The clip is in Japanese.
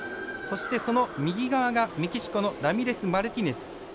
そして、その右側がメキシコのラミレスマルティネス。